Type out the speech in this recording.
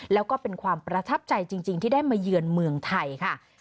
แล้วก็เป็นความประทับใจจริงที่ได้มาเยือนเมืองไทยค่ะ